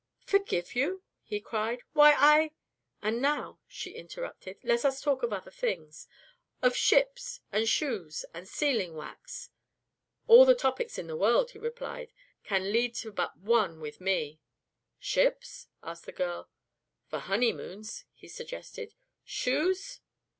"Forgive you?" he cried. "Why, I " "And now," she interrupted, "let us talk of other things. Of ships, and shoes, and sealing wax " "All the topics in the world," he replied, "can lead to but one with me " "Ships?" asked the girl. "For honeymoons," he suggested. "Shoes?"